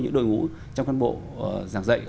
những đội ngũ trong căn bộ giảng dạy